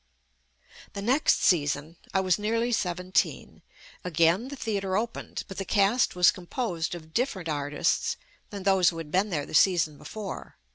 The next season (I was nearly seventeen) again the theatre opened, but the cast was com posed of different artists than those who had been there the season before.